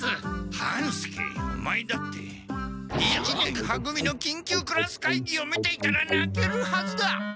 半助オマエだって一年は組のきん急クラス会議を見ていたらなけるはずだ！